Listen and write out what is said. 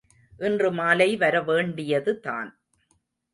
இன்று மாலை வரவேண்டியதுதான்.